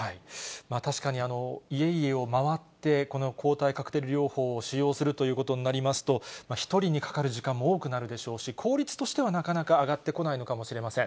確かに、家々を回って、この抗体カクテル療法を使用するということになりますと、１人にかかる時間も多くなるでしょうし、効率としてはなかなか上がってこないのかもしれません。